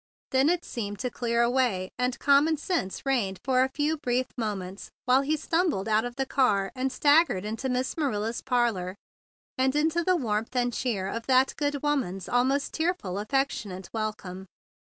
Then it seemed to clear away, and common sense reigned for a few brief moments while he stumbled out of the car and staggered into Miss Manila's parlor and into the warmth and cheer of 138 THE BIG BLUE SOLDIER that good woman's almost tearful, affectionate welcome.